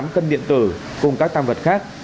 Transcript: tám cân điện tử cùng các tam vật khác